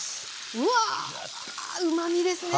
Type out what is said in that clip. うわうまみですね